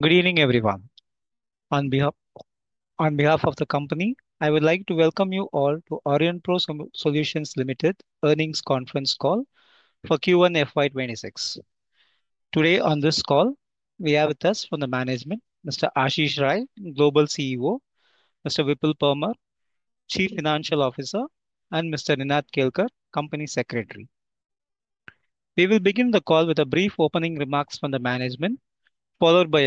Good evening, everyone. On behalf of the company, I would like to welcome you all to Aurionpro Solutions Limited Earnings Conference Call For Q1 FY 26. Today, on this call, we have with us from the management, Mr. Ashish Rai, Global CEO, Mr. Vipul Parmar, Chief Financial Officer, and Mr. Ninad Kerker, Company Secretary. We will begin the call with brief opening remarks from the management, followed by a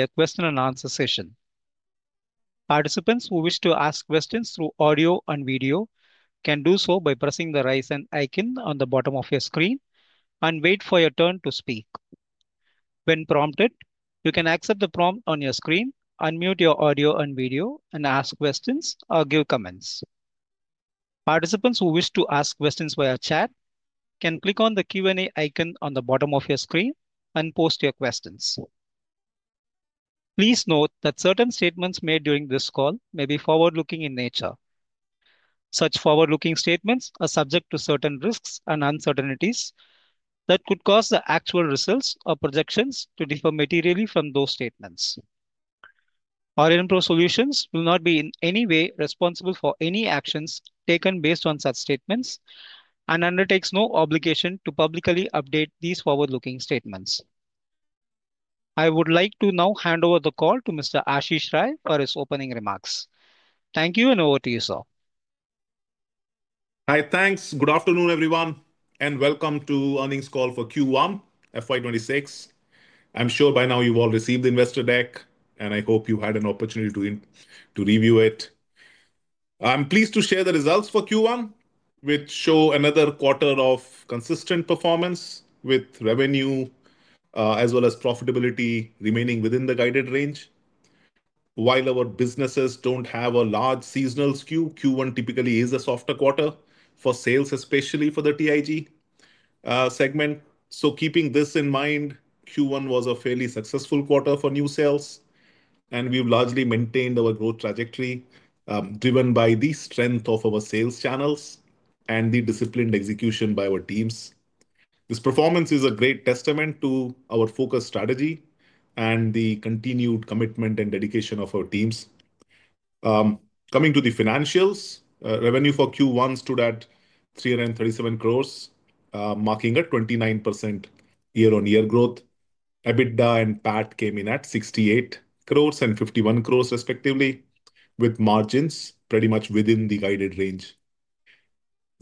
question-and-answer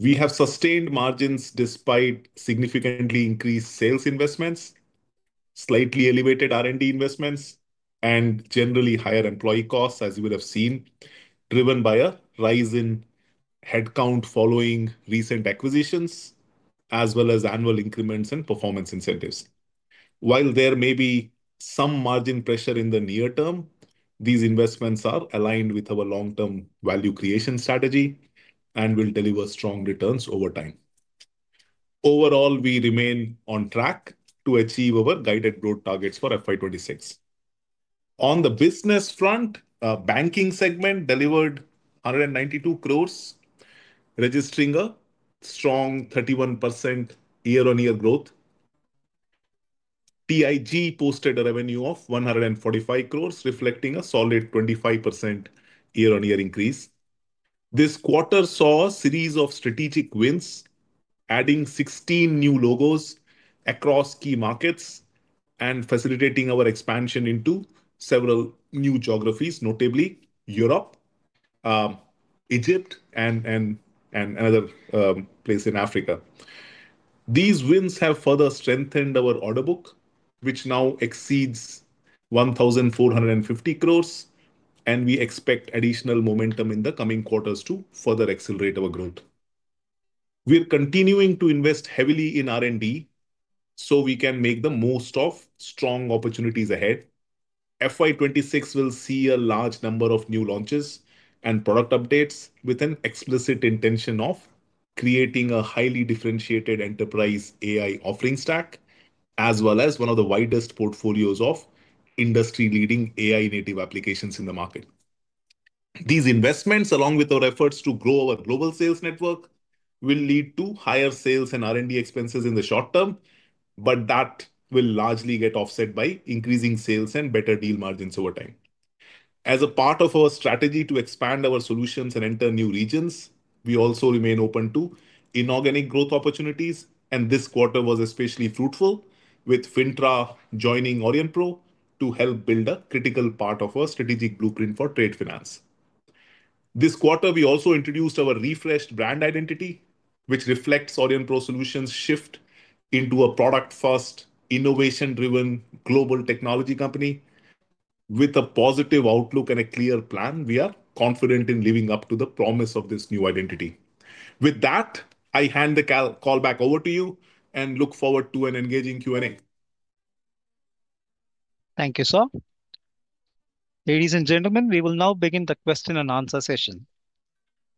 session.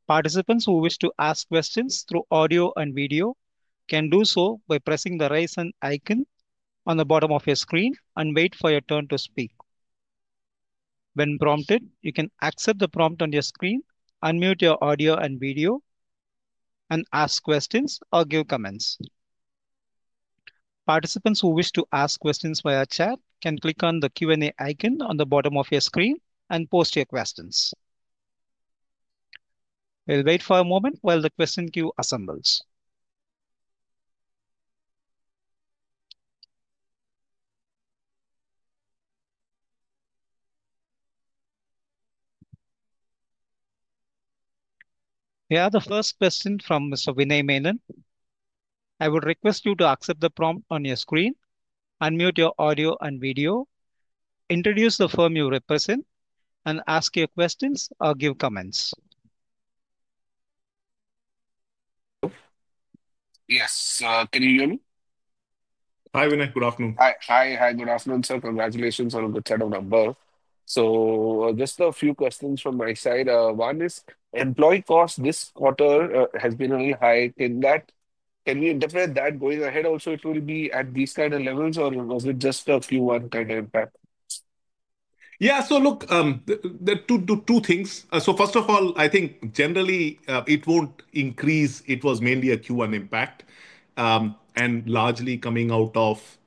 Participants who wish to ask questions through audio and video can do so by pressing the "raise hand" icon on the bottom of your screen and wait for your turn to speak. When prompted, you can accept the prompt on your screen, unmute your audio and video, and ask questions or give comments. I would request you to accept the prompt on your screen, unmute your audio and video, introduce the firm you represent, and ask your questions or give comments. Yes, can you hear me? Hi, Vinay. Good afternoon. Hi, good afternoon, sir. Congratulations on the third of the number. Just a few questions from my side. One is, employee cost this quarter has been really high. Can we interpret that going ahead? Also, it will be at these kind of levels, or was it just a Q1 kind of impact? Yeah, so look, there are two things. First of all, I think generally it won't increase. It was mainly a Q1 impact, and largely coming out of,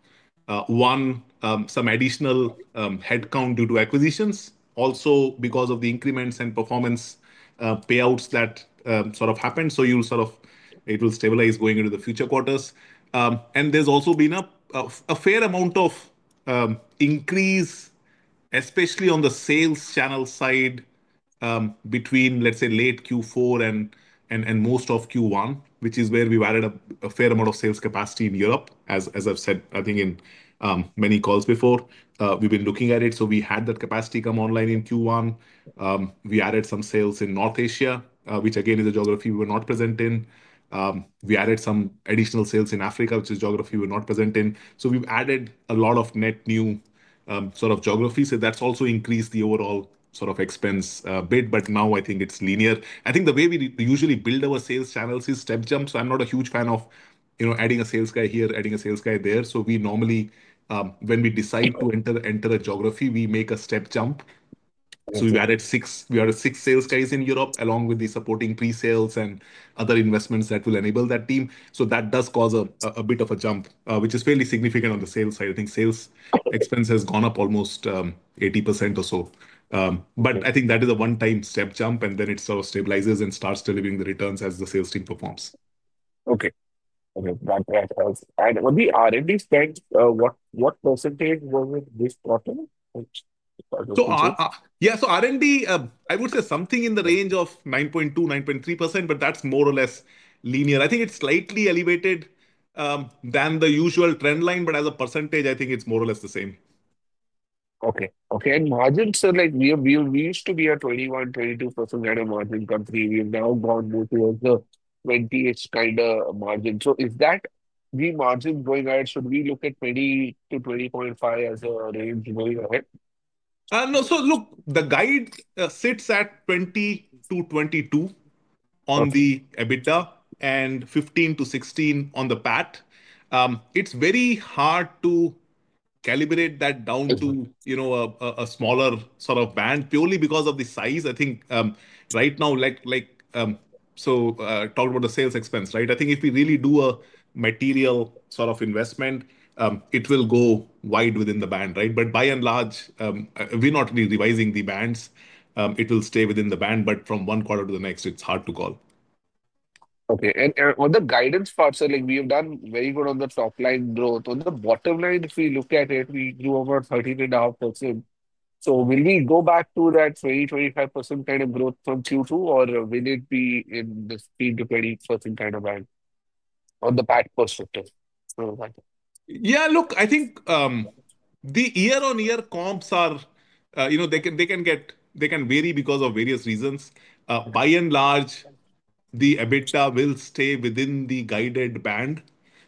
one, some additional headcount due to acquisitions, also because of the increments and performance payouts that sort of happened. You'll see it will stabilize going into the future quarters. There's also been a fair amount of increase, especially on the sales channel side, between, let's say, late Q4 and most of Q1, which is where we've added a fair amount of sales capacity in Europe. As I've said, I think in many calls before, we've been looking at it. We had that capacity come online in Q1. We added some sales in North Asia, which again is a geography we were not present in. We added some additional sales in Africa, which is a geography we were not present in. We've added a lot of net new geographies. That's also increased the overall expense bit, but now I think it's linear. I think the way we usually build our sales channels is step jumps. I'm not a huge fan of, you know, adding a sales guy here, adding a sales guy there. We normally, when we decide to enter a geography, make a step jump. We've added six, we are six sales days in Europe, along with the supporting pre-sales and other investments that will enable that team. That does cause a bit of a jump, which is fairly significant on the sales side. I think sales expense has gone up almost 80% or so. I think that is a one-time step jump, and then it sort of stabilizes and starts delivering the returns as the sales team performs. Okay. When the R&D spend, what percentage was it this quarter? Yeah, R&D, I would say something in the range of 9.2%, 9.3%, but that's more or less linear. I think it's slightly elevated than the usual trend line, but as a percentage, I think it's more or less the same. Okay. Margins, sir, like we used to be at 21, 22% kind of margin currently. We've now gone more towards a 20% kind of margin. Is that remargin going ahead? Should we look at 20-25% as a range going ahead? No, look, the guide sits at 20-22% on the EBITDA and 15-16% on the PAT. It's very hard to calibrate that down to a smaller sort of band purely because of the size. I think right now, talk about the sales expense, right? I think if we really do a material sort of investment, it will go wide within the band, right? By and large, we're not really revising the bands. It will stay within the band, but from one quarter to the next, it's hard to call. Okay, and on the guidance part, sir, like we've done very good on the top line growth. On the bottom line, if we look at it, you have a 13.5%. Will we go back to that 20% to 25% kind of growth from Q2, or will it be in the 15% to 20% kind of band on the PAT perspective? Yeah, look, I think the year-on-year comps can vary because of various reasons. By and large, the EBITDA will stay within the guided band,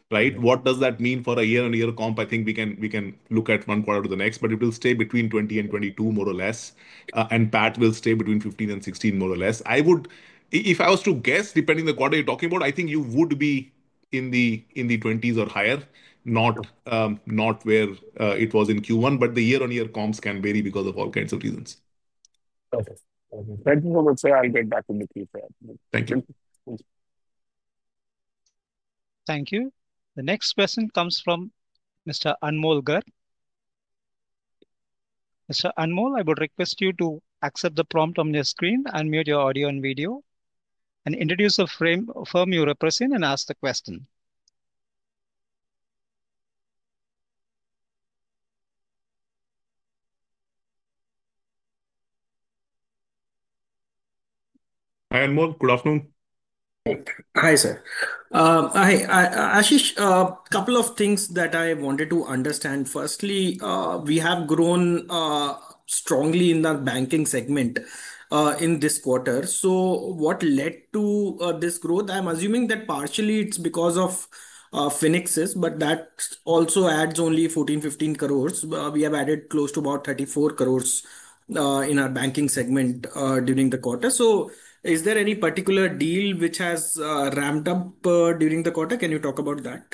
right? What does that mean for a year-on-year comp? I think we can look at one quarter to the next, but it will stay between 20% and 22%, more or less, and PAT will stay between 15% and 16%, more or less. If I was to guess, depending on the quarter you're talking about, I think you would be in the 20% or higher, not where it was in Q1, but the year-on-year comps can vary because of all kinds of reasons. Okay, thank you so much, sir. I'll get back to you quickly. Thank you. Thank you. The next question comes from Mr. Anmol Gert. Mr. Anmol, I would request you to accept the prompt on your screen, mute your audio and video, and introduce the firm you represent and ask the question. Hi, Anmol. Good afternoon. Hi, sir. Hi, Ashish. A couple of things that I wanted to understand. Firstly, we have grown strongly in our banking segment in this quarter. What led to this growth? I'm assuming that partially it's because of Fenixys, but that also adds only 14-15 crores. We have added close to about 34 crores in our banking segment during the quarter. Is there any particular deal which has ramped up during the quarter? Can you talk about that?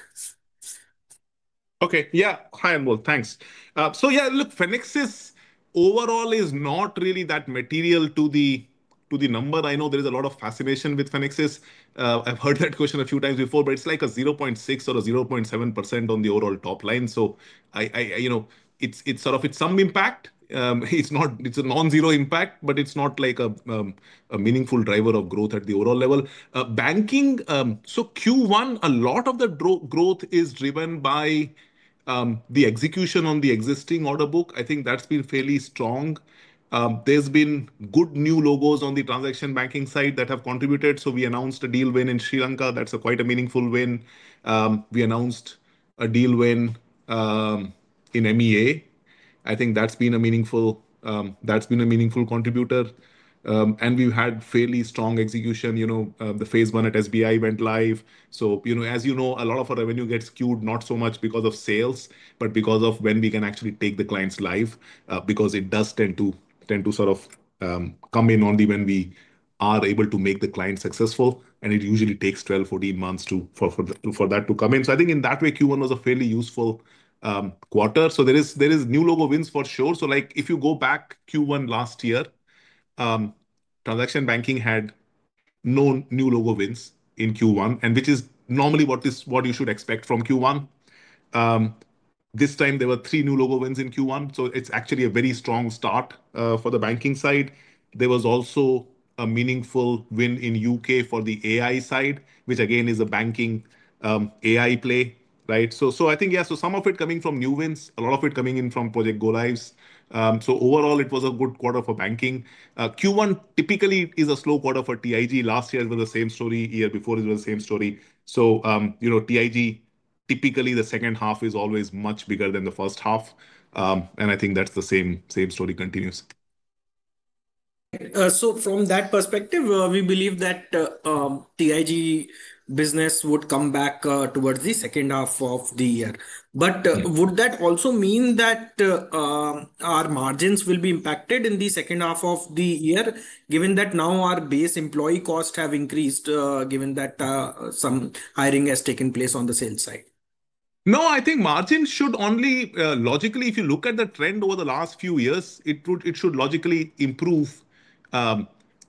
Okay, yeah. Hi, Anmol. Thanks. Fenixys overall is not really that material to the number. I know there is a lot of fascination with Fenixys. I've heard that question a few times before, but it's like a 0.6% or a 0.7% on the overall top line. It's some impact. It's not, it's a non-zero impact, but it's not like a meaningful driver of growth at the overall level. Banking, Q1, a lot of the growth is driven by the execution on the existing order book. I think that's been fairly strong. There's been good new logos on the transaction banking side that have contributed. We announced a deal win in Sri Lanka. That's quite a meaningful win. We announced a deal win in MEA. I think that's been a meaningful contributor. We've had fairly strong execution. The phase one at SBI went live. As you know, a lot of our revenue gets skewed not so much because of sales, but because of when we can actually take the clients live, because it does tend to come in only when we are able to make the client successful. It usually takes 12-14 months for that to come in. In that way, Q1 was a fairly useful quarter. There are new logo wins for sure. If you go back to Q1 last year, transaction banking had no new logo wins in Q1, which is normally what you should expect from Q1. This time, there were three new logo wins in Q1. It's actually a very strong start for the banking side. There was also a meaningful win in the U.K. for the AI side, which again is a banking AI play, right? Some of it coming from new wins, a lot of it coming in from Project Go Lives. Overall, it was a good quarter for banking. Q1 typically is a slow quarter for TIG. Last year, it was the same story. The year before, it was the same story. TIG, typically the second half is always much bigger than the first half. I think the same story continues. From that perspective, we believe that the TIG business would come back towards the second half of the year. Would that also mean that our margins will be impacted in the second half of the year, given that now our base employee costs have increased, given that some hiring has taken place on the sales side? No, I think margins should only, logically, if you look at the trend over the last few years, it should logically improve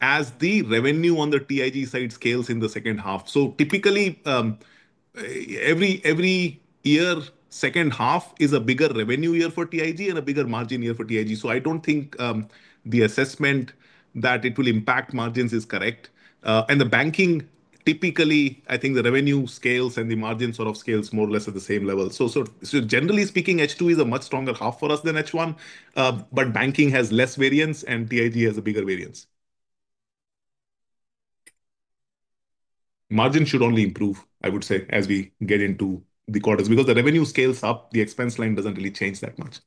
as the revenue on the TIG side scales in the second half. Typically, every year, the second half is a bigger revenue year for TIG and a bigger margin year for TIG. I don't think the assessment that it will impact margins is correct. In banking, typically, I think the revenue scales and the margin sort of scales more or less at the same level. Generally speaking, H2 is a much stronger half for us than H1, but banking has less variance and TIG has a bigger variance. Margins should only improve, I would say, as we get into the quarters, because the revenue scales up, the expense line doesn't really change that much.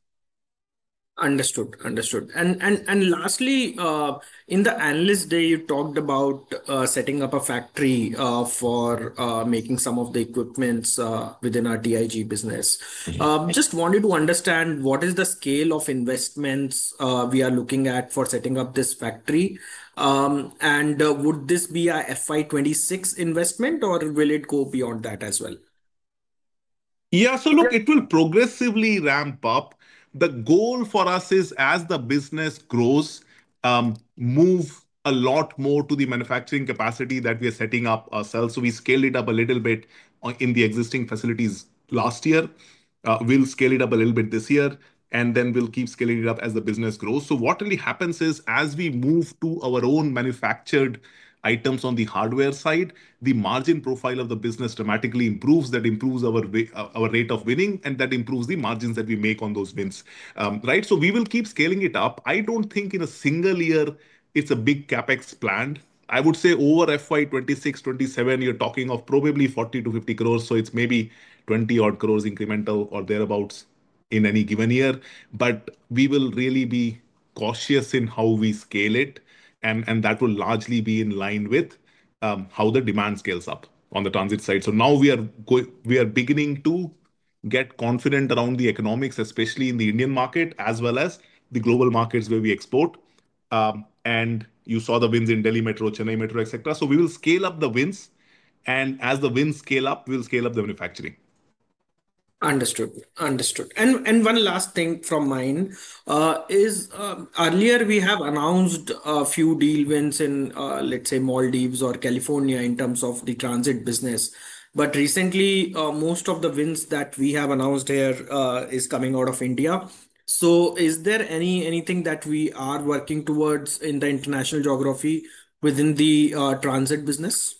Understood, understood. Lastly, in the analyst day, you talked about setting up a factory for making some of the equipment within our Technology Innovation Group business. I just wanted to understand what is the scale of investments we are looking at for setting up this factory. Would this be an FY 2026 investment or will it go beyond that as well? Yeah, so look, it will progressively ramp up. The goal for us is, as the business grows, move a lot more to the manufacturing capacity that we are setting up ourselves. We scaled it up a little bit in the existing facilities last year. We'll scale it up a little bit this year, and we'll keep scaling it up as the business grows. What really happens is, as we move to our own manufactured items on the hardware side, the margin profile of the business dramatically improves. That improves our rate of winning, and that improves the margins that we make on those wins, right? We will keep scaling it up. I don't think in a single year it's a big CapEx planned. I would say over FY 2026, 2027, you're talking of probably 40-50 crore. It's maybe 20 crore incremental or thereabouts in any given year. We will really be cautious in how we scale it, and that will largely be in line with how the demand scales up on the transit side. Now we are beginning to get confident around the economics, especially in the Indian market, as well as the global markets where we export. You saw the wins in Delhi Metro, Chennai Metro, etc. We will scale up the wins, and as the wins scale up, we'll scale up the manufacturing. Understood, understood. One last thing from mine is, earlier, we have announced a few deal wins in, let's say, Maldives or California in terms of the transit business. Recently, most of the wins that we have announced here are coming out of India. Is there anything that we are working towards in the international geography within the transit business?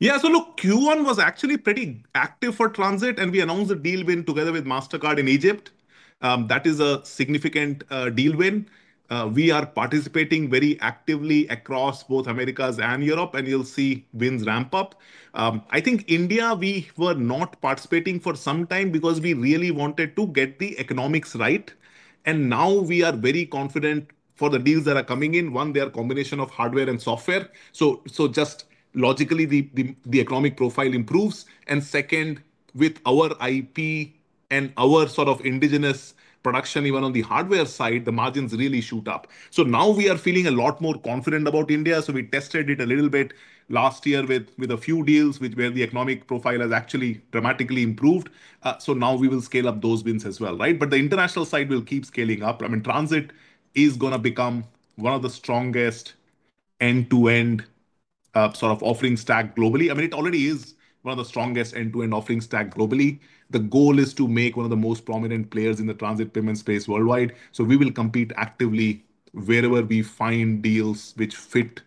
Yeah, so look, Q1 was actually pretty active for Transit, and we announced a deal win together with Mastercard in Egypt. That is a significant deal win. We are participating very actively across both Americas and Europe, and you'll see wins ramp up. I think India, we were not participating for some time because we really wanted to get the economics right. Now we are very confident for the deals that are coming in. One, they are a combination of hardware and software, so just logically, the economic profile improves. Second, with our IP and our sort of indigenous production, even on the hardware side, the margins really shoot up. Now we are feeling a lot more confident about India. We tested it a little bit last year with a few deals where the economic profile has actually dramatically improved. Now we will scale up those wins as well, right? The international side will keep scaling up. I mean, Transit is going to become one of the strongest end-to-end sort of offering stacks globally. I mean, it already is one of the strongest end-to-end offering stack globally. The goal is to make one of the most prominent players in the transit payments space worldwide. We will compete actively wherever we find deals which fit,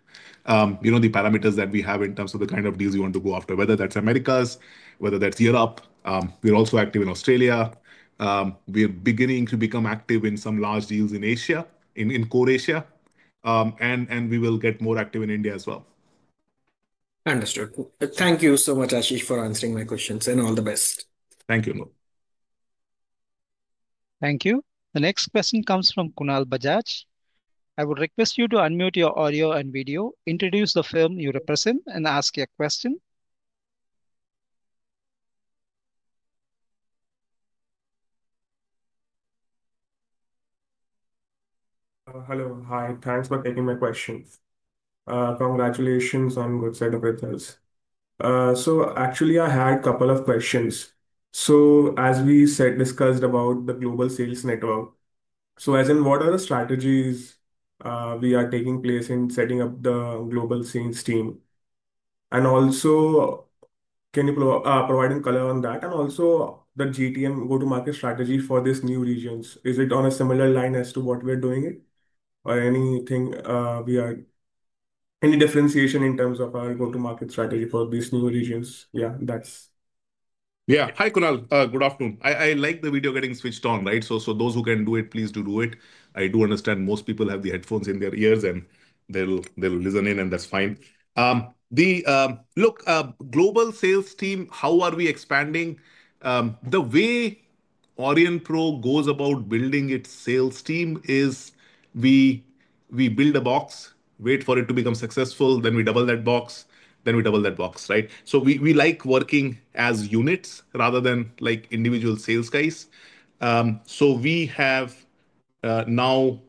you know, the parameters that we have in terms of the kind of deals you want to go after, whether that's Americas, whether that's Europe. We're also active in Australia. We're beginning to become active in some large deals in Asia, in Core Asia. We will get more active in India as well. Understood. Thank you so much, Ashish, for answering my questions. All the best. Thank you, Anmol. Thank you. The next question comes from Kunal Bajaj. I would request you to unmute your audio and video, introduce the firm you represent, and ask your question. Hello. Hi. Thanks for taking my questions. Congratulations on good set of results. I had a couple of questions. As we discussed about the global sales network, what are the strategies we are taking in setting up the global sales team? Can you provide a color on that? Also, the GTM go-to-market strategy for these new regions, is it on a similar line as to what we're doing, or is there any differentiation in terms of our go-to-market strategy for these new regions? Yeah, that's. Yeah. Hi, Kunal. Good afternoon. I like the video getting switched on, right? Those who can do it, please do do it. I do understand most people have the headphones in their ears, and they'll listen in, and that's fine. Look, global sales team, how are we expanding? The way Aurionpro goes about building its sales team is we build a box, wait for it to become successful, then we double that box, then we double that box, right? We like working as units rather than like individual sales guys. We have now,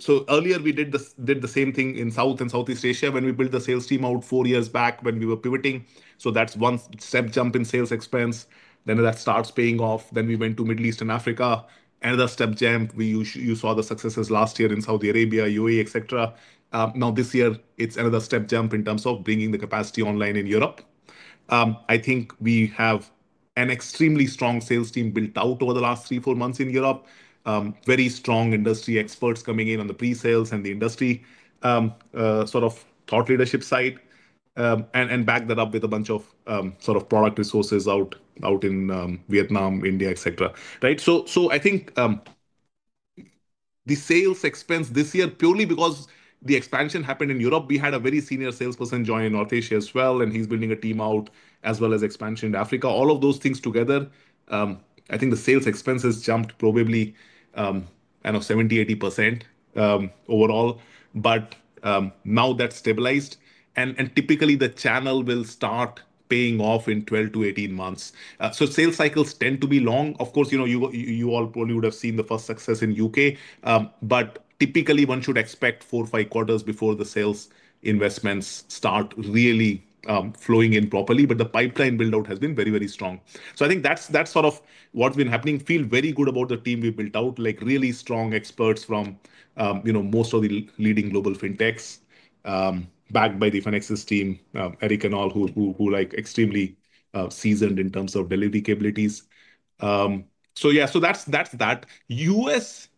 so earlier we did the same thing in South and Southeast Asia when we built the sales team out four years back when we were pivoting. That's one step jump in sales expense. Then that starts paying off. We went to Middle East and Africa. Another step jump, you saw the successes last year in Saudi Arabia, UAE, etc. This year, it's another step jump in terms of bringing the capacity online in Europe. I think we have an extremely strong sales team built out over the last three, four months in Europe. Very strong industry experts coming in on the pre-sales and the industry sort of thought leadership side. Back that up with a bunch of sort of product resources out in Vietnam, India, etc., right? I think the sales expense this year purely because the expansion happened in Europe, we had a very senior salesperson join in North Asia as well, and he's building a team out as well as expansion in Africa. All of those things together, I think the sales expenses jumped probably another 70%-80% overall. Now that's stabilized. Typically, the channel will start paying off in 12-18 months. Sales cycles tend to be long. Of course, you all probably would have seen the first success in the U.K. Typically, one should expect four or five quarters before the sales investments start really flowing in properly. The pipeline build-out has been very, very strong. I think that's sort of what's been happening. Feel very good about the team we've built out, like really strong experts from most of the leading global fintechs, backed by the Fenixys team, Eric and all, who are extremely seasoned in terms of delivery capabilities. Yeah, that's that. U.S.,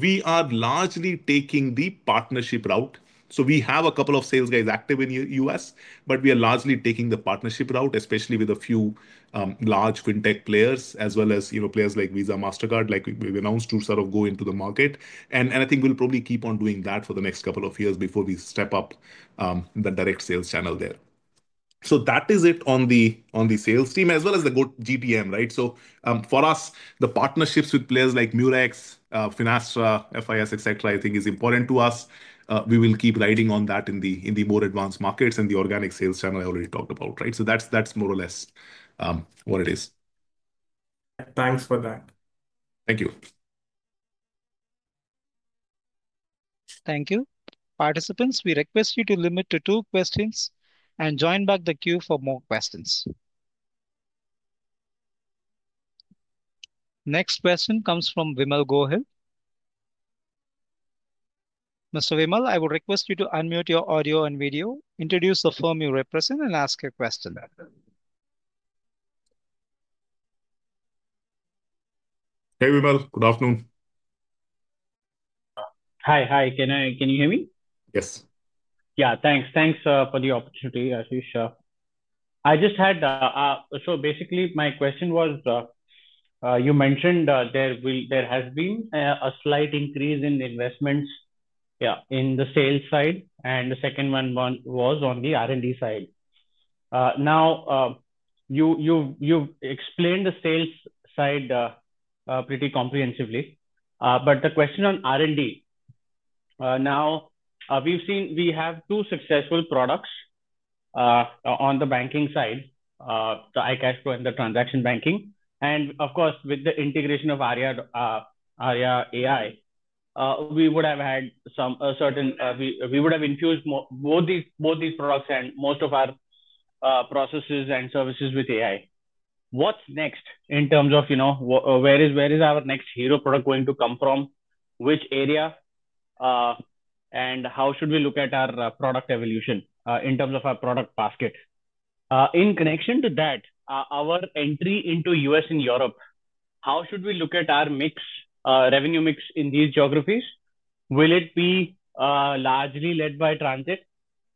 we are largely taking the partnership route. We have a couple of sales guys active in the U.S., but we are largely taking the partnership route, especially with a few large fintech players, as well as players like Visa and Mastercard, like we've announced to sort of go into the market. I think we'll probably keep on doing that for the next couple of years before we step up the direct sales channel there. That is it on the sales team as well as the GTM, right? For us, the partnerships with players like Murex, Finastra, FIS, etc., I think is important to us. We will keep riding on that in the more advanced markets and the organic sales channel I already talked about, right? That's more or less what it is. Thanks for that. Thank you. Thank you. Participants, we request you to limit to two questions and join back the queue for more questions. Next question comes from Vimal Gohil. Mr. Vimal, I would request you to unmute your audio and video, introduce the firm you represent, and ask your question. Hey, Vipul. Good afternoon. Hi. Can you hear me? Yes. Yeah, thanks. Thanks for the opportunity, Ashish. I just had, so basically, my question was, you mentioned there has been a slight increase in investments, yeah, in the sales side, and the second one was on the R&D side. You explained the sales side pretty comprehensively. The question on R&D, now we've seen we have two successful products on the banking side, the iCashPro and the Transaction Banking. Of course, with the integration of Arya.ai, we would have had some certain, we would have infused both these products and most of our processes and services with AI. What's next in terms of, you know, where is our next hero product going to come from? Which area? How should we look at our product evolution in terms of our product basket? In connection to that, our entry into the U.S. and Europe, how should we look at our revenue mix in these geographies? Will it be largely led by transit,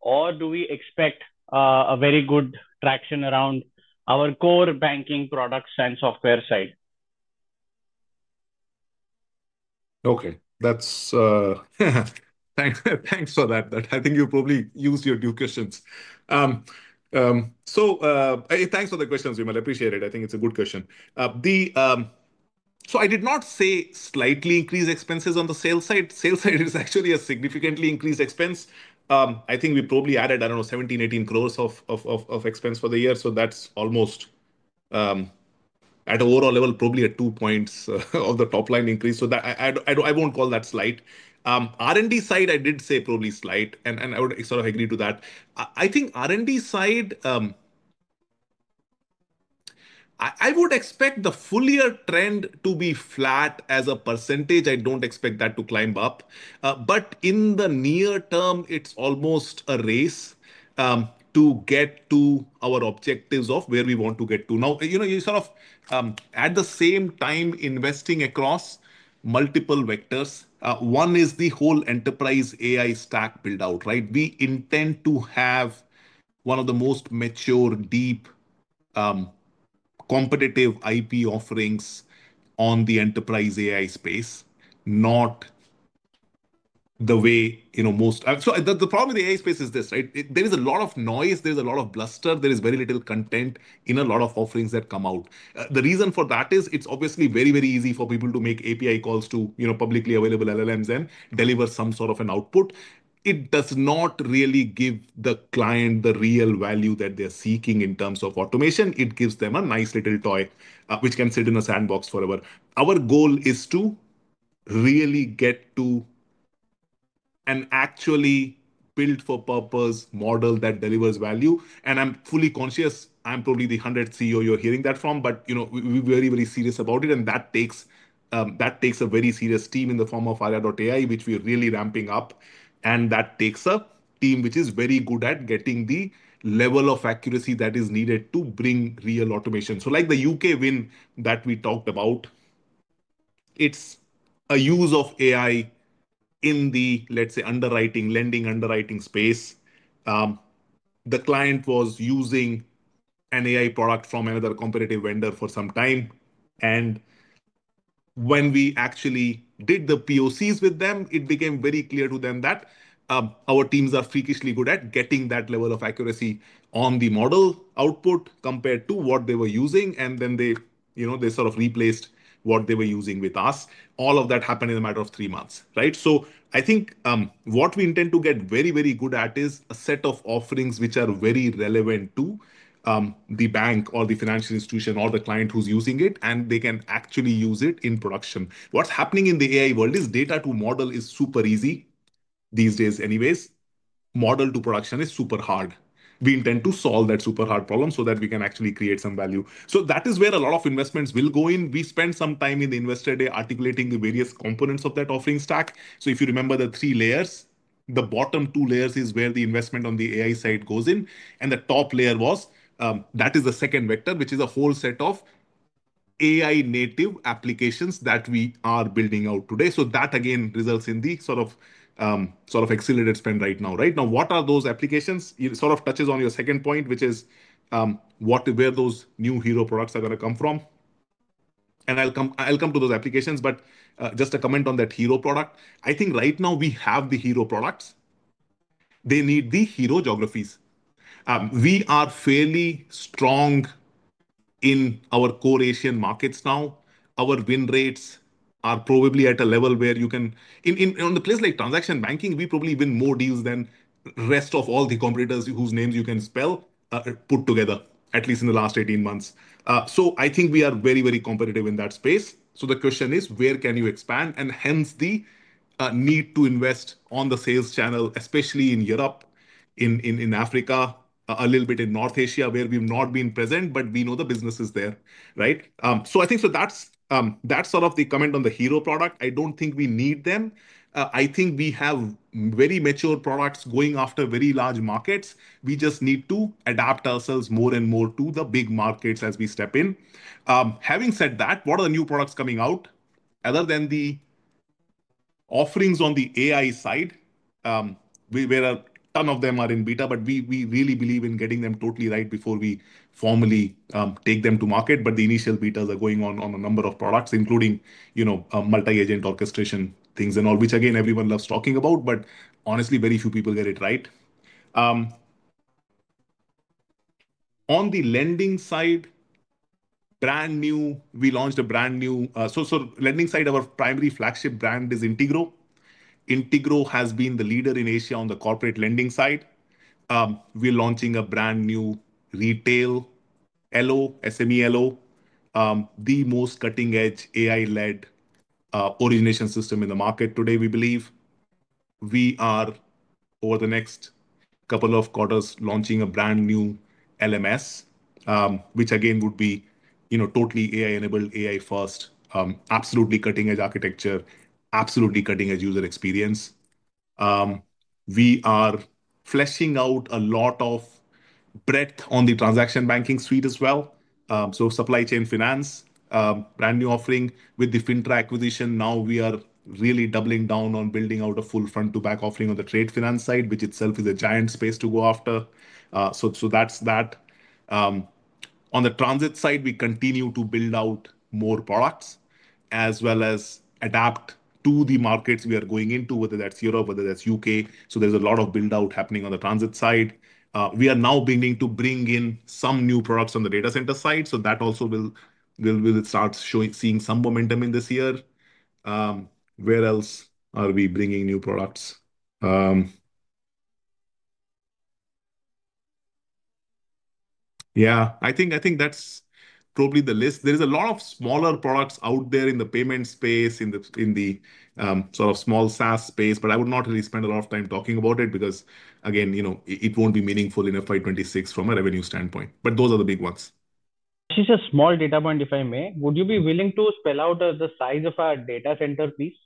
or do we expect a very good traction around our core banking products and software side? Okay, thanks for that. I think you probably used your two questions. Thanks for the questions, Vimal. I appreciate it. I think it's a good question. I did not say slightly increased expenses on the sales side. Sales side is actually a significantly increased expense. I think we probably added, I don't know, 17-18 crore of expense for the year. That's almost, at an overall level, probably at two points of the top line increase. I won't call that slight. R&D side, I did say probably slight, and I would sort of agree to that. I think R&D side, I would expect the full-year trend to be flat as a percentage. I don't expect that to climb up. In the near term, it's almost a race to get to our objectives of where we want to get to. You know, at the same time, investing across multiple vectors. One is the whole enterprise AI stack build-out, right? We intend to have one of the most mature, deep, competitive IP-driven offerings on the enterprise AI space, not the way most. The problem with the AI space is this, right? There is a lot of noise, there is a lot of bluster, there is very little content in a lot of offerings that come out. The reason for that is it's obviously very, very easy for people to make API calls to publicly available LLMs and deliver some sort of an output. It does not really give the client the real value that they're seeking in terms of automation. It gives them a nice little toy, which can sit in a sandbox forever. Our goal is to really get to an actually built-for-purpose model that delivers value. I'm fully conscious, I'm probably the 100th CEO you're hearing that from, but we're very, very serious about it. That takes a very serious team in the form of Arya.ai, which we're really ramping up. That takes a team which is very good at getting the level of accuracy that is needed to bring real automation. Like the U.K. win that we talked about, it's a use of AI in the, let's say, underwriting, lending, underwriting space. The client was using an AI product from another competitive vendor for some time. When we actually did the POCs with them, it became very clear to them that our teams are freakishly good at getting that level of accuracy on the model output compared to what they were using. They sort of replaced what they were using with us. All of that happened in a matter of three months, right? I think what we intend to get very, very good at is a set of offerings which are very relevant to the bank or the financial institution or the client who's using it, and they can actually use it in production. What's happening in the AI world is data to model is super easy these days anyways. Model to production is super hard. We intend to solve that super hard problem so that we can actually create some value. That is where a lot of investments will go in. We spent some time in the Investor Day articulating the various components of that offering stack. If you remember the three layers, the bottom two layers is where the investment on the AI side goes in. The top layer was, that is the second vector, which is a whole set of AI-native applications that we are building out today. That again results in the sort of accelerated spend right now, right? What are those applications? It sort of touches on your second point, which is where those new hero products are going to come from. I'll come to those applications, but just a comment on that hero product. I think right now we have the hero products. They need the hero geographies. We are fairly strong in our Core Asian markets now. Our win rates are probably at a level where you can, in a place like transaction banking, we probably win more deals than the rest of all the competitors whose names you can spell put together, at least in the last 18 months. I think we are very, very competitive in that space. The question is, where can you expand? Hence the need to invest on the sales channel, especially in Europe, in Africa, a little bit in North Asia, where we've not been present, but we know the business is there, right? I think that's sort of the comment on the hero product. I don't think we need them. I think we have very mature products going after very large markets. We just need to adapt ourselves more and more to the big markets as we step in. Having said that, what are the new products coming out? Other than the offerings on the AI side, a ton of them are in beta, but we really believe in getting them totally right before we formally take them to market. The initial betas are going on a number of products, including, you know, multi-agent orchestration things and all, which again, everyone loves talking about. Honestly, very few people get it right. On the lending side, we launched a brand new, so lending side, our primary flagship brand is Integro. Integro has been the leader in Asia on the corporate lending side. We're launching a brand new retail LO, SME LO, the most cutting-edge AI-led origination system in the market today, we believe. Over the next couple of quarters, we're launching a brand new LMS, which again would be totally AI-enabled, AI-first, absolutely cutting-edge architecture, absolutely cutting-edge user experience. We are fleshing out a lot of breadth on the transaction banking suite as well. Supply chain finance, brand new offering with the Fintra acquisition. Now we are really doubling down on building out a full front-to-back offering on the trade finance side, which itself is a giant space to go after. That's that. On the transit side, we continue to build out more products, as well as adapt to the markets we are going into, whether that's Europe, whether that's U.K. There's a lot of build-out happening on the transit side. We are now beginning to bring in some new products on the data center side. That also will start seeing some momentum in this year. Where else are we bringing new products? Yeah, I think that's probably the list. There's a lot of smaller products out there in the payment space, in the sort of small SaaS space, but I would not really spend a lot of time talking about it because, again, it won't be meaningful in FY 2026 from a revenue standpoint. Those are the big ones. She says small data point, if I may. Would you be willing to spell out the size of our data center business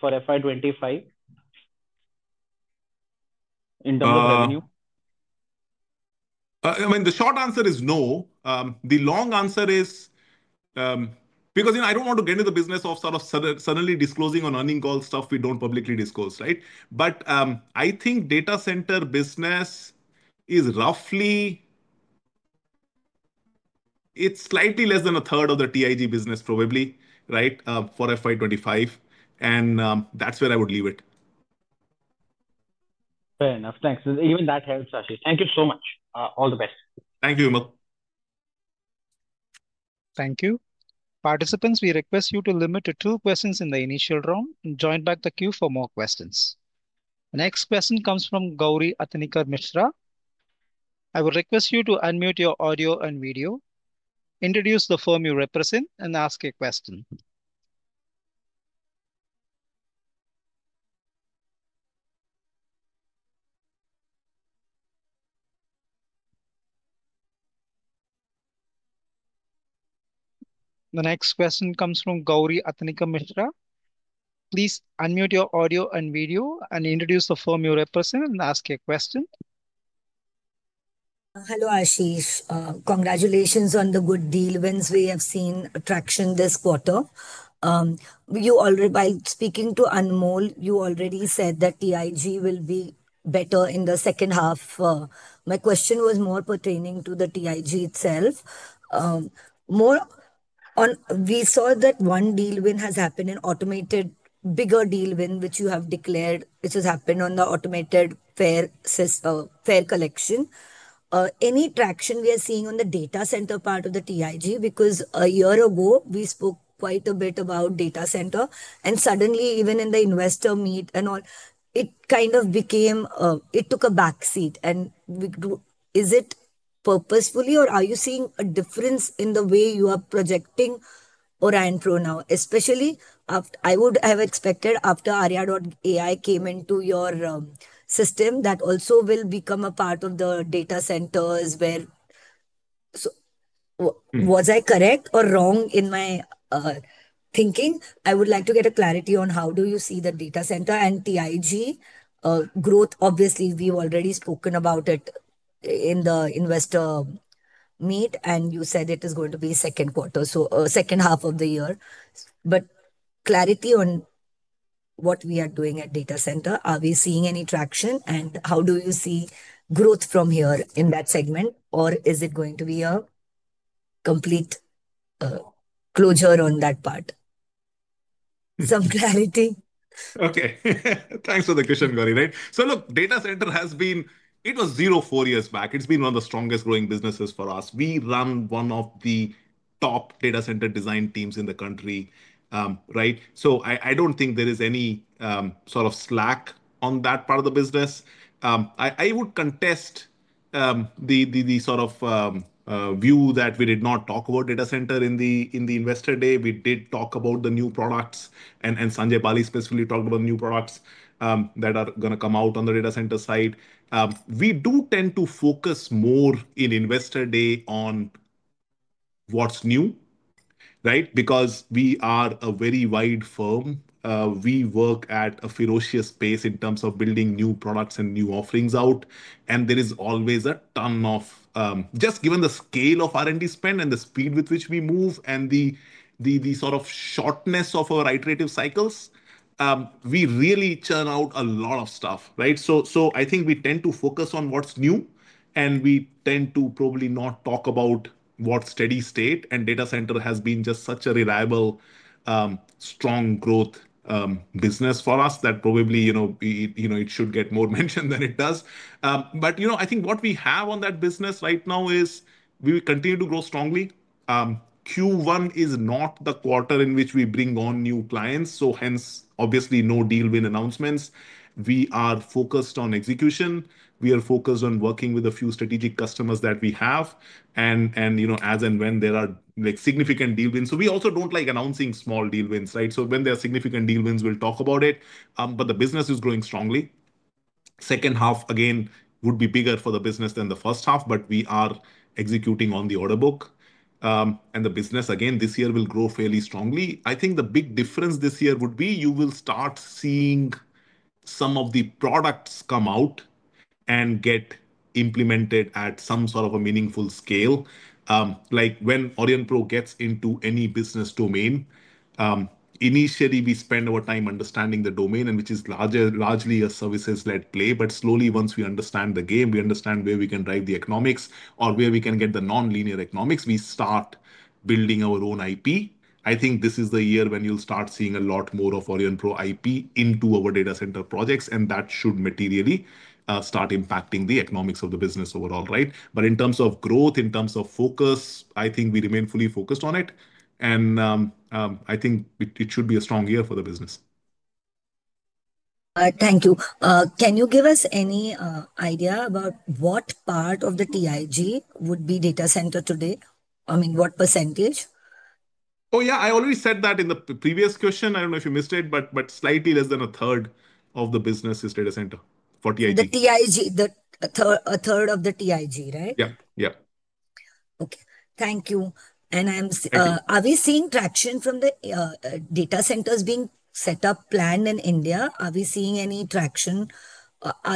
for FY 2025 in terms of revenue? I mean, the short answer is no. The long answer is because, you know, I don't want to get into the business of sort of suddenly disclosing on earnings call stuff we don't publicly disclose, right? I think data center business is roughly, it's slightly less than a third of the TIG business probably, right, for FY 2025. That's where I would leave it. Fair enough. Thanks. Even that helps, Ashish. Thank you so much. All the best. Thank you, Anmol. Thank you. Participants, we request you to limit to two questions in the initial round and join back the queue for more questions. The next question comes from Gauri Athanikar Mishra. Please unmute your audio and video, introduce the firm you represent, and ask a question. Hello, Ashish. Congratulations on the good deal wins we have seen traction this quarter. You already, by speaking to Anmol, you already said that TIG will be better in the second half. My question was more pertaining to the TIG itself. We saw that one deal win has happened in automated, bigger deal win, which you have declared, which has happened on the automated fare collection. Any traction we are seeing on the data center part of the TIG because a year ago we spoke quite a bit about data center and suddenly even in the investor meet and all, it kind of became, it took a back seat. Is it purposefully or are you seeing a difference in the way you are projecting Aurionpro now? Especially after, I would have expected after Arya.ai came into your system, that also will become a part of the data centers where, was I correct or wrong in my thinking? I would like to get a clarity on how do you see the data center and TIG growth? Obviously, we've already spoken about it in the Investor Meet and you said it is going to be second quarter, so second half of the year. Clarity on what we are doing at data center, are we seeing any traction and how do you see growth from here in that segment or is it going to be a complete closure on that part? Some clarity. Okay. Thanks for the question, Gauri, right? So look, Data Center has been, it was zero four years back. It's been one of the strongest growing businesses for us. We run one of the top data center design teams in the country, right? I don't think there is any sort of slack on that part of the business. I would contest the sort of view that we did not talk about data center in the investor day. We did talk about the new products and Sanjay Bali specifically talked about the new products that are going to come out on the data center side. We do tend to focus more in Investor Day on what's new, right? We are a very wide firm. We work at a ferocious pace in terms of building new products and new offerings out. There is always a ton of, just given the scale of R&D spend and the speed with which we move and the sort of shortness of our iterative cycles, we really churn out a lot of stuff, right? I think we tend to focus on what's new and we tend to probably not talk about what's steady state and data center has been just such a reliable, strong growth business for us that probably, you know, it should get more mention than it does. I think what we have on that business right now is we continue to grow strongly. Q1 is not the quarter in which we bring on new clients, so obviously no deal win announcements. We are focused on execution. We are focused on working with a few strategic customers that we have and, you know, as and when there are like significant deal wins. We also don't like announcing small deal wins, right? When there are significant deal wins, we'll talk about it. The business is growing strongly. Second half again would be bigger for the business than the first half, but we are executing on the order book. The business again this year will grow fairly strongly. I think the big difference this year would be you will start seeing some of the products come out and get implemented at some sort of a meaningful scale. Like when Aurionpro gets into any business domain, initially we spend our time understanding the domain and which is largely a services-led play, but slowly once we understand the game, we understand where we can drive the economics or where we can get the non-linear economics, we start building our own IP. I think this is the year when you'll start seeing a lot more of Aurionpro IP into our data center projects and that should materially start impacting the economics of the business overall, right? In terms of growth, in terms of focus, I think we remain fully focused on it and I think it should be a strong year for the business. Thank you. Can you give us any idea about what part of the TIG would be data center today? I mean, what percentage? Oh, yeah, I already said that in the previous question. I don't know if you missed it, but slightly less than a third of the business is data center for TIG. A third of the TIG, right? Yeah, yeah. Thank you. Are we seeing traction from the Data Centers being set up, planned in India? Are we seeing any traction? Are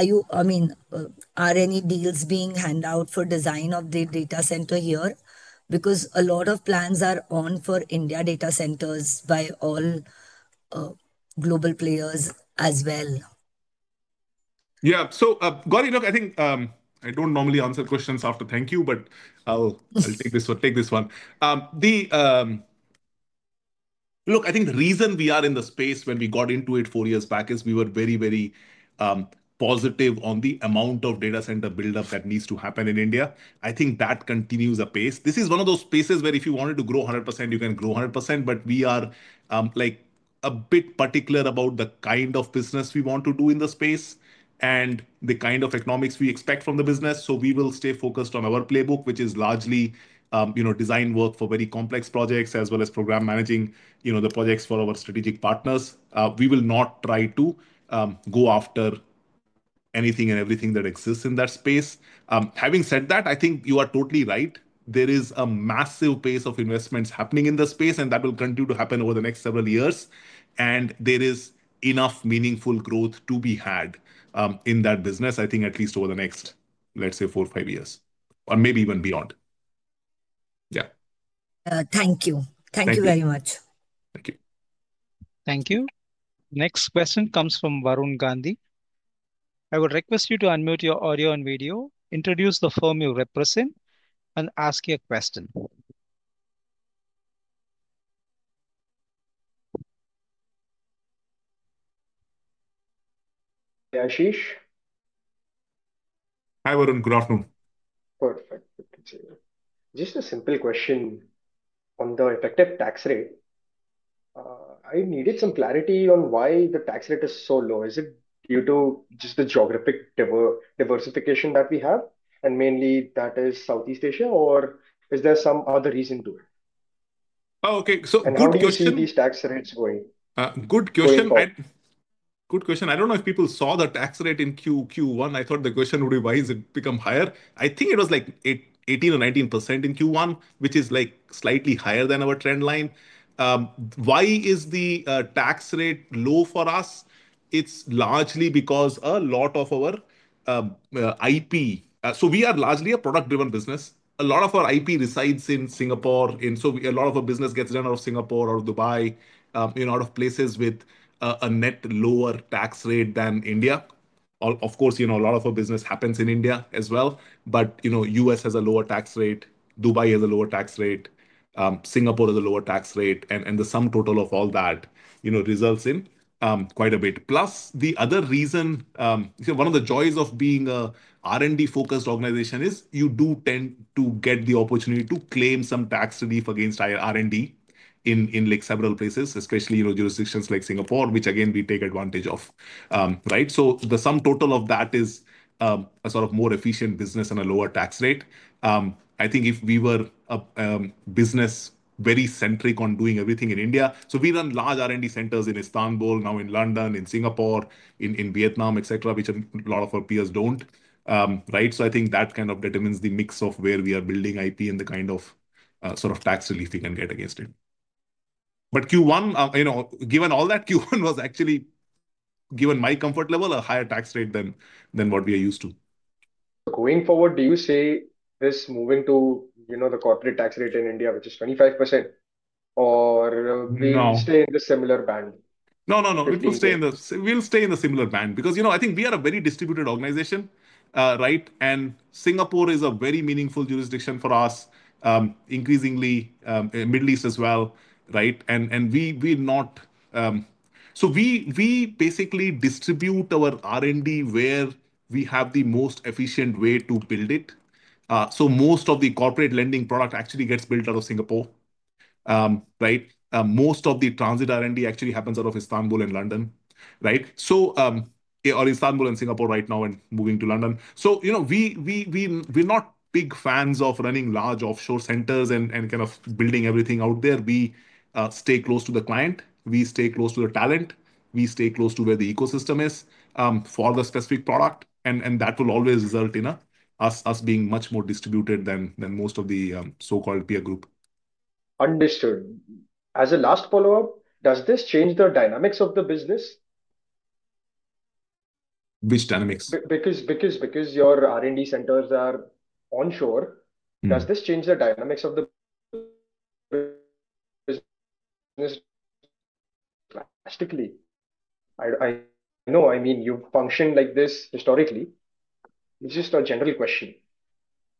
any deals being handed out for design of the Data Center here? A lot of plans are on for India Data Centers by all Global Players as well. Yeah, so Gauri, look, I think I don't normally answer questions after thank you, but I'll take this one. I think the reason we are in the space when we got into it four years back is we were very, very positive on the amount of Data Center build-up that needs to happen in India. I think that continues apace. This is one of those spaces where if you wanted to grow 100%, you can grow 100%, but we are like a bit particular about the kind of business we want to do in the space and the kind of economics we expect from the business. We will stay focused on our playbook, which is largely, you know, design work for very complex projects as well as Program Managing, you know, the projects for our strategic partners. We will not try to go after anything and everything that exists in that space. Having said that, I think you are totally right. There is a massive pace of investments happening in the space and that will continue to happen over the next several years. There is enough meaningful growth to be had in that business, I think at least over the next, let's say, four or five years or maybe even beyond. Yeah. Thank you. Thank you very much. Thank you. Thank you. Next question comes from Varun Gandhi. I would request you to unmute your audio and video, introduce the firm you represent, and ask your question. Hey, Ashish. Hi, Varun. Good afternoon. Perfect. Just a simple question on the Effective Tax Rate. I needed some clarity on why the tax rate is so low. Is it due to just the geographic diversification that we have? Is that mainly Southeast Asia, or is there some other reason to it? Okay, good question. How do you see these tax rates going? Good question. Good question. I don't know if people saw the tax rate in Q1. I thought the question would be why has it become higher? I think it was like 18 or 19% in Q1, which is slightly higher than our trend line. Why is the tax rate low for us? It's largely because a lot of our IP, so we are largely a product-driven business. A lot of our IP resides in Singapore, and a lot of our business gets done out of Singapore or Dubai, you know, out of places with a net lower tax rate than India. Of course, a lot of our business happens in India as well. U.S. has a lower tax rate. Dubai has a lower tax rate. Singapore has a lower tax rate. The sum total of all that results in quite a bit. Plus, the other reason, one of the joys of being an R&D-focused organization is you do tend to get the opportunity to claim some tax relief against R&D in several places, especially jurisdictions like Singapore, which again we take advantage of, right? The sum total of that is a sort of more efficient business and a lower tax rate. I think if we were a business very centric on doing everything in India, we run large R&D centers in Istanbul, now in London, in Singapore, in Vietnam, etc., which a lot of our peers don't, right? I think that kind of determines the mix of where we are building IP and the kind of tax relief we can get against it. Q1, given all that, Q1 was actually, given my comfort level, a higher tax rate than what we are used to. Going forward, do you see this moving to, you know, the corporate tax rate in India, which is 25%, or will we stay in the similar band? We'll stay in the similar band because, you know, I think we are a very distributed organization, right? Singapore is a very meaningful jurisdiction for us, increasingly in the Middle East as well, right? We're not, so we basically distribute our R&D where we have the most efficient way to build it. Most of the corporate lending product actually gets built out of Singapore, right? Most of the transit R&D actually happens out of Istanbul and London, right? Istanbul and Singapore right now and moving to London. We're not big fans of running large offshore centers and kind of building everything out there. We stay close to the client. We stay close to the talent. We stay close to where the ecosystem is for the specific product. That will always result in us being much more distributed than most of the so-called peer group. Understood. As a last follow-up, does this change the dynamics of the business? Which dynamics? Because your R&D centers are onshore, does this change the dynamics of the business? I know you function like this historically. It's just a general question.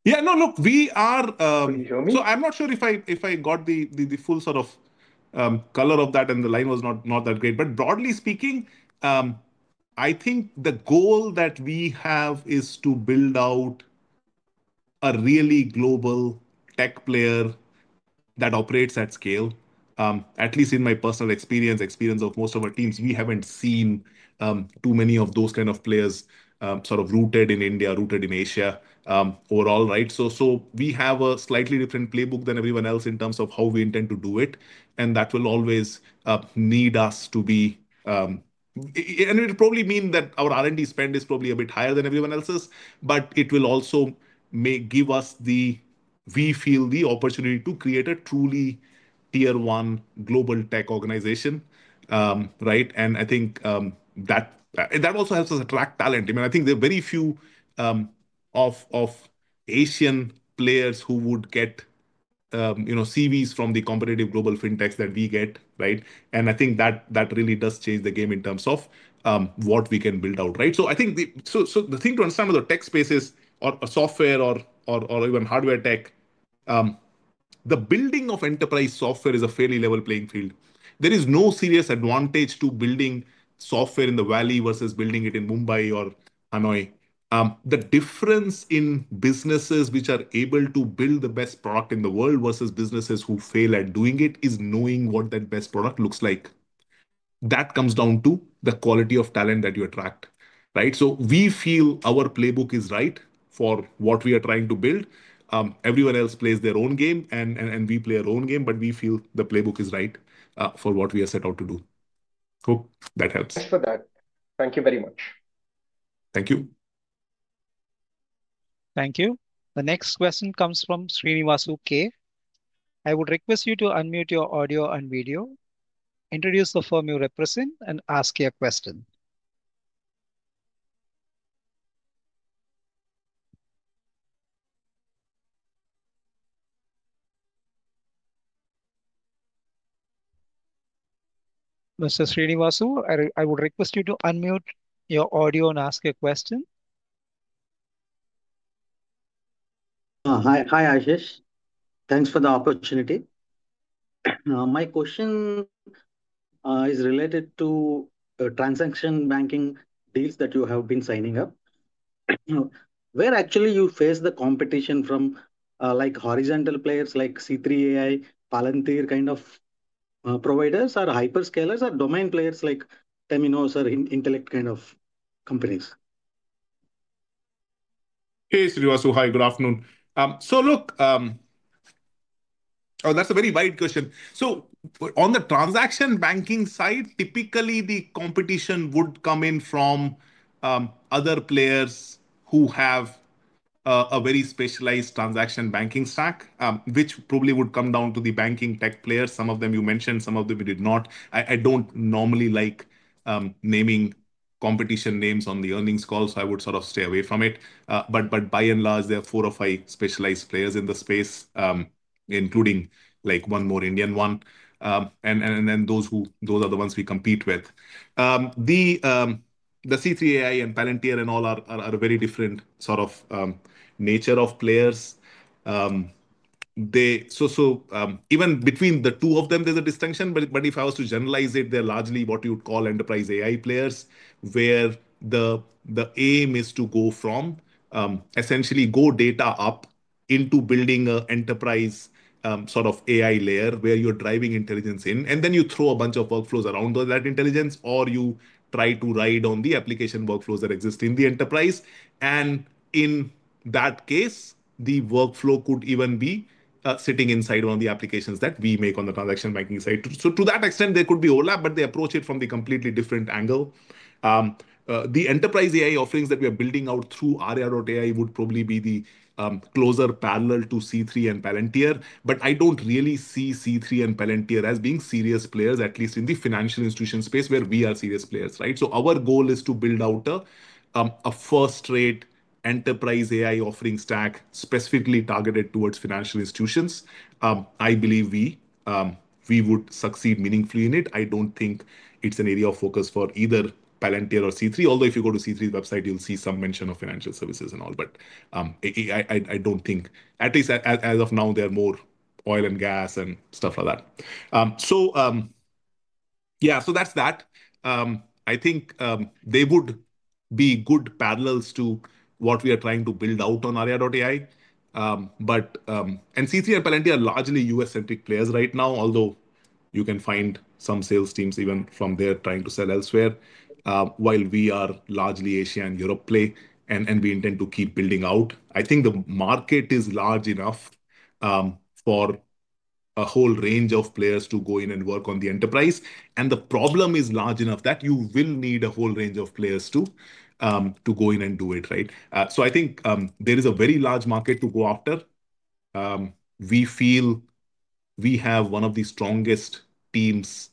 Yeah, no, look, we are, so I'm not sure if I got the full sort of color of that and the line was not that great. Broadly speaking, I think the goal that we have is to build out a really global tech player that operates at scale. At least in my personal experience, experience of most of our teams, we haven't seen too many of those kind of players rooted in India, rooted in Asia overall, right? We have a slightly different playbook than everyone else in terms of how we intend to do it. That will always need us to be, and it'll probably mean that our R&D spend is probably a bit higher than everyone else's, but it will also give us the, we feel, the opportunity to create a truly tier one global tech organization, right? I think that also helps us attract talent. I mean, I think there are very few of Asian players who would get, you know, CVs from the competitive global fintechs that we get, right? I think that really does change the game in terms of what we can build out, right? I think the thing to understand with the tech space is, or software or even hardware tech, the building of enterprise software is a fairly level playing field. There is no serious advantage to building software in the Valley versus building it in Mumbai or Hanoi. The difference in businesses which are able to build the best product in the world versus businesses who fail at doing it is knowing what that best product looks like. That comes down to the quality of talent that you attract, right? We feel our playbook is right for what we are trying to build. Everyone else plays their own game, and we play our own game, but we feel the playbook is right for what we are set out to do. Hope that helps. Thanks for that. Thank you very much. Thank you. Thank you. The next question comes from Srinivasu K. I would request you to unmute your audio and video, introduce the firm you represent, and ask a question. Mr. Srinivasu, I would request you to unmute your audio and ask a question. Hi, Ashish. Thanks for the opportunity. My question is related to Transaction Banking deals that you have been signing up. Where actually do you face the competition from, like horizontal players like C3.ai, Palantir kind of providers, or hyperscalers, or domain players like Temenos or Intellect kind of companies? Hey, Srinivasu. Hi, good afternoon. That's a very wide question. On the Transaction Banking side, typically the competition would come in from other players who have a very specialized Transaction Banking stack, which probably would come down to the Banking Tech players. Some of them you mentioned, some of them you did not. I don't normally like naming competition names on the Earnings Call, so I would sort of stay away from it. By and large, there are four or five specialized players in the space, including one more Indian one. Those are the ones we compete with. The C3.ai and Palantir and all are a very different sort of nature of players. Even between the two of them, there's a distinction. If I was to generalize it, they're largely what you would call Enterprise AI players, where the aim is to go from essentially go data up into building an enterprise sort of AI layer where you're driving intelligence in. Then you throw a bunch of workflows around that intelligence, or you try to ride on the application workflows that exist in the enterprise. In that case, the workflow could even be sitting inside one of the applications that we make on the Transaction Banking side. To that extent, there could be OLAP, but they approach it from a completely different angle. The Enterprise AI offerings that we are building out through Arya.ai would probably be the closer parallel to C3 and Palantir. I don't really see C3 and Palantir as being serious players, at least in the Financial Institution space where we are serious players, right? Our goal is to build out a first-rate Enterprise AI offering stack specifically targeted towards Financial Institutions. I believe we would succeed meaningfully in it. I don't think it's an area of focus for either Palantir or C3. Although if you go to C3's website, you'll see some mention of Financial Services and all. I don't think, at least as of now, they're more Oil and Gas and stuff like that. That's that. I think they would be good parallels to what we are trying to build out on Arya.ai. C3 and Palantir are largely U.S.-centric players right now, although you can find some Sales Teams even from there trying to sell elsewhere, while we are largely Asia and Europe play, and we intend to keep building out. I think the market is large enough for a whole range of players to go in and work on the enterprise. The problem is large enough that you will need a whole range of players to go in and do it, right? I think there is a very large market to go after. We feel we have one of the strongest teams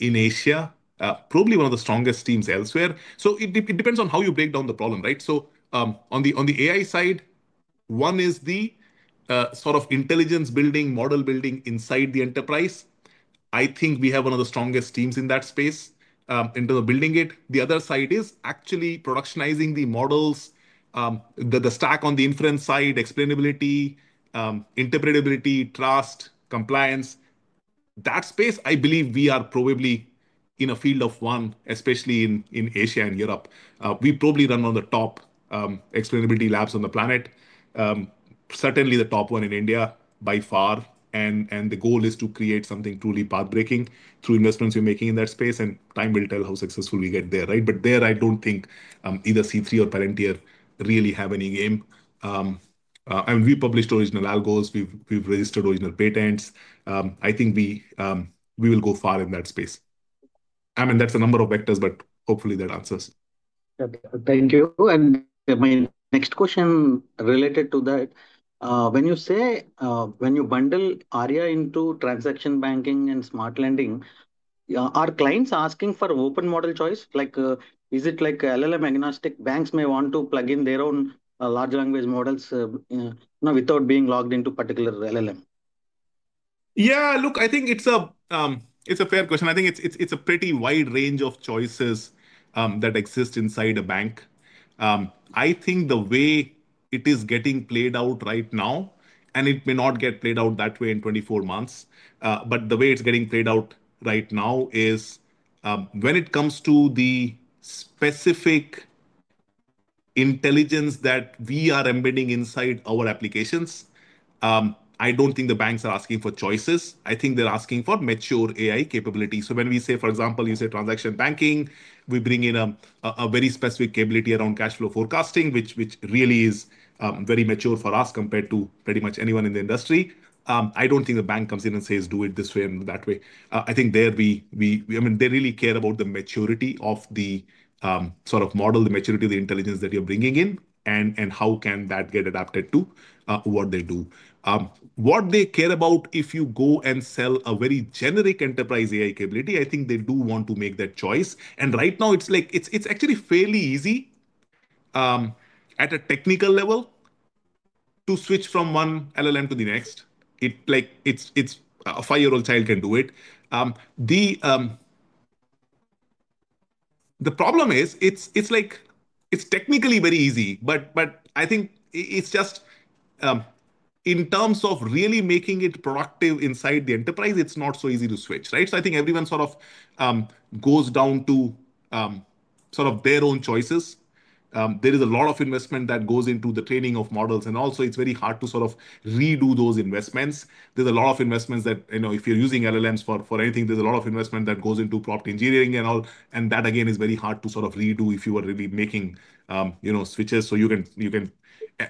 in Asia, probably one of the strongest teams elsewhere. It depends on how you break down the problem, right? On the AI side, one is the sort of intelligence building, model building inside the enterprise. I think we have one of the strongest teams in that space in terms of building it. The other side is actually productionizing the models, the stack on the inference side, explainability, interpretability, trust, compliance. That space, I believe we are probably in a field of one, especially in Asia and Europe. We probably run one of the top explainability labs on the planet, certainly the top one in India by far. The goal is to create something truly pathbreaking through investments you're making in that space. Time will tell how successful we get there, right? There, I don't think either C3 or Palantir really have any game. We published original algos. We've registered original patents. I think we will go far in that space. I mean, that's a number of vectors, but hopefully that answers. Thank you. My next question related to that, when you say when you bundle Arya.ai into Transaction Banking and Smart Lending, are clients asking for open model choice? Is it like LLM-agnostic banks may want to plug in their own Large Language Models, you know, without being locked into a particular LLM? Yeah, look, I think it's a fair question. I think it's a pretty wide range of choices that exist inside a bank. I think the way it is getting played out right now, and it may not get played out that way in 24 months, but the way it's getting played out right now is when it comes to the specific intelligence that we are embedding inside our applications, I don't think the banks are asking for choices. I think they're asking for mature AI capabilities. For example, you say Transaction Banking, we bring in a very specific capability around cash flow forecasting, which really is very mature for us compared to pretty much anyone in the industry. I don't think the bank comes in and says, do it this way and that way. They really care about the maturity of the sort of model, the maturity of the intelligence that you're bringing in, and how can that get adapted to what they do. What they care about, if you go and sell a very generic Enterprise AI capability, I think they do want to make that choice. Right now, it's actually fairly easy at a technical level to switch from one LLM to the next. It's like a five-year-old child can do it. The problem is it's technically very easy, but in terms of really making it productive inside the enterprise, it's not so easy to switch, right? I think everyone sort of goes down to sort of their own choices. There is a lot of investment that goes into the training of models, and also it's very hard to sort of redo those investments. There's a lot of investments that, you know, if you're using LLMs for anything, there's a lot of investment that goes into prompt engineering and all, and that again is very hard to sort of redo if you are really making, you know, switches. You can,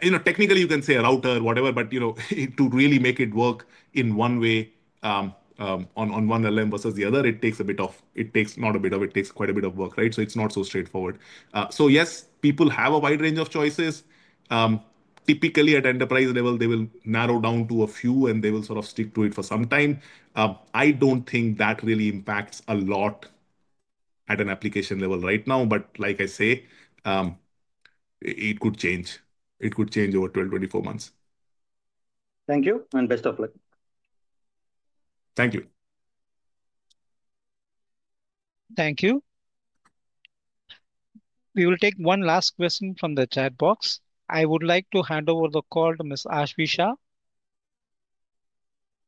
you know, technically you can say a router, whatever, but to really make it work in one way on one LLM versus the other, it takes quite a bit of work, right? It's not so straightforward. Yes, people have a wide range of choices. Typically at enterprise level, they will narrow down to a few and they will sort of stick to it for some time. I don't think that really impacts a lot at an application level right now, but like I say, it could change. It could change over 12, 24 months. Thank you and best of luck. Thank you. Thank you. We will take one last question from the chat box. I would like to hand over the call to Ms. Ashvisha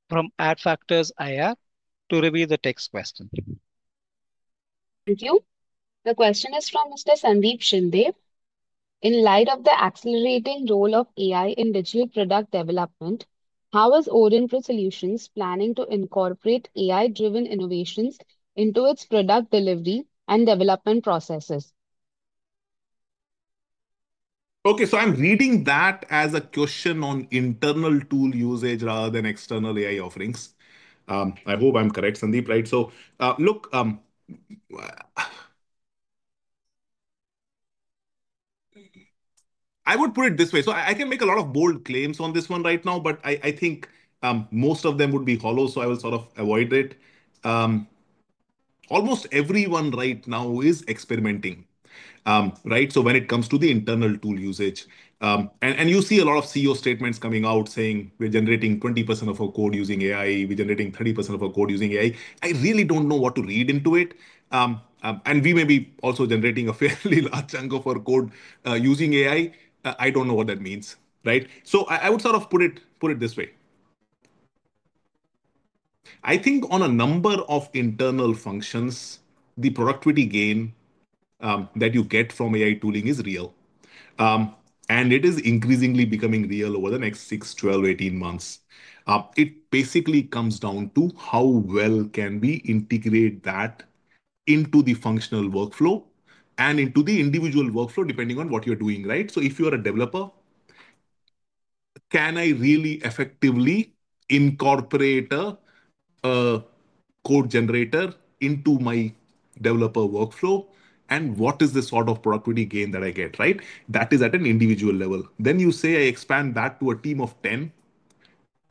from AddFactors AI to review the text question. Thank you. The question is from Mr. Sandeep Shinde. In light of the accelerating role of AI in digital product development, how is Aurionpro Solutions planning to incorporate AI-driven innovations into its product delivery and development processes? Okay, so I'm reading that as a question on internal tool usage rather than external AI offerings. I hope I'm correct, Sandeep, right? Look, I would put it this way. I can make a lot of bold claims on this one right now, but I think most of them would be hollow, so I will sort of avoid it. Almost everyone right now is experimenting, right? When it comes to the internal tool usage, you'll see a lot of CEO statements coming out saying, "We're generating 20% of our code using AI. We're generating 30% of our code using AI." I really don't know what to read into it. We may be also generating a fairly large chunk of our code using AI. I don't know what that means, right? I would sort of put it this way. I think on a number of internal functions, the productivity gain that you get from AI tooling is real. It is increasingly becoming real over the next 6, 12, 18 months. It basically comes down to how well we can integrate that into the functional workflow and into the individual workflow depending on what you're doing, right? If you're a developer, can I really effectively incorporate a code generator into my developer workflow? What is the sort of productivity gain that I get, right? That is at an individual level. Then you say I expand that to a team of 10.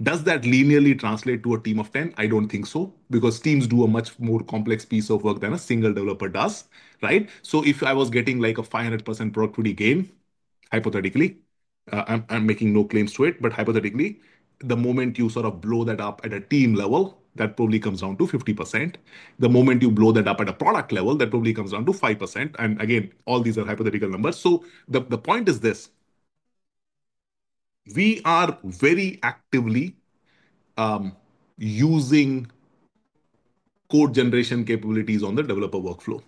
Does that linearly translate to a team of 10? I don't think so because teams do a much more complex piece of work than a single developer does, right? If I was getting like a 500% productivity gain, hypothetically, I'm making no claims to it, but hypothetically, the moment you sort of blow that up at a team level, that probably comes down to 50%. The moment you blow that up at a product level, that probably comes down to 5%. Again, all these are hypothetical numbers. The point is this. We are very actively using code generation capabilities on the developer workflow.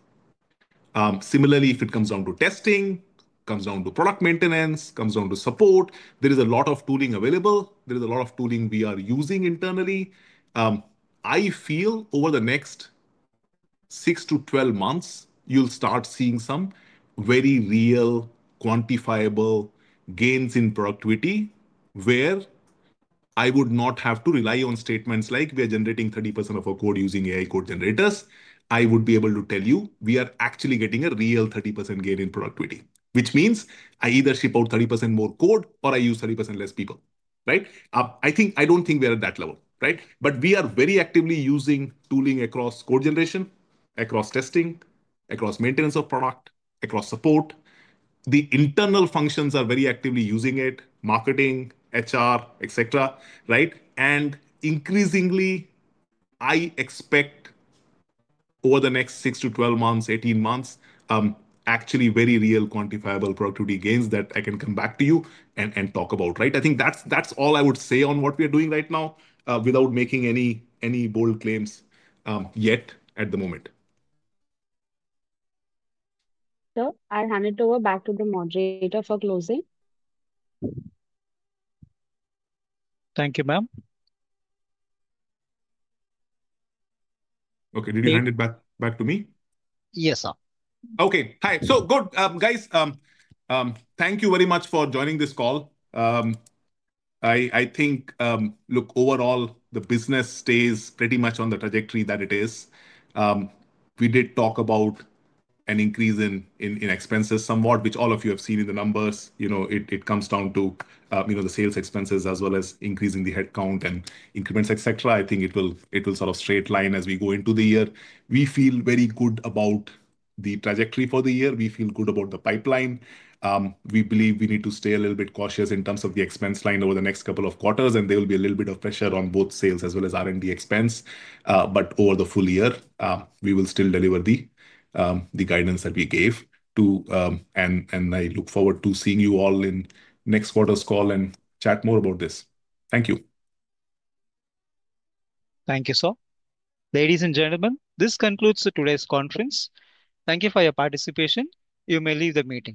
Similarly, if it comes down to testing, comes down to product maintenance, comes down to support, there is a lot of tooling available. There is a lot of tooling we are using internally. I feel over the next 6-12 months, you'll start seeing some very real, quantifiable gains in productivity where I would not have to rely on statements like we are generating 30% of our code using AI code generators. I would be able to tell you we are actually getting a real 30% gain in productivity, which means I either ship out 30% more code or I use 30% less people, right? I don't think we're at that level, right? We are very actively using tooling across code generation, across testing, across maintenance of product, across support. The internal functions are very actively using it, marketing, HR, etc., right? Increasingly, I expect over the next 6 to 12 months, 18 months, actually very real, quantifiable productivity gains that I can come back to you and talk about, right? I think that's all I would say on what we are doing right now without making any bold claims yet at the moment. I'll hand it over back to the moderator for closing. Thank you, ma'am. Okay, did you hand it back to me? Yes, sir. Okay, hi. So good, guys. Thank you very much for joining this call. I think, look, overall, the business stays pretty much on the trajectory that it is. We did talk about an increase in expenses somewhat, which all of you have seen in the numbers. It comes down to the sales expenses as well as increasing the headcount and increments, etc. I think it will sort of straight line as we go into the year. We feel very good about the trajectory for the year. We feel good about the pipeline. We believe we need to stay a little bit cautious in terms of the expense line over the next couple of quarters, and there will be a little bit of pressure on both sales as well as R&D expense. Over the full year, we will still deliver the guidance that we gave to, and I look forward to seeing you all in next quarter's call and chat more about this. Thank you. Thank you, sir. Ladies and gentlemen, this concludes today's conference. Thank you for your participation. You may leave the meeting.